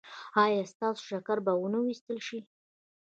ایا ستاسو شکر به و نه ویستل شي؟